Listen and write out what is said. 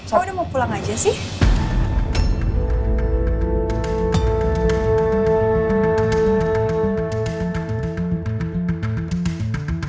soal udah mau pulang aja sih